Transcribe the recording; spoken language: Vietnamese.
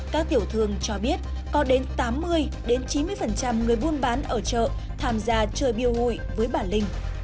các tiểu thương cho biết có đến tám mươi chín mươi người buôn bán ở chợ tham gia chơi biêu hội với bà linh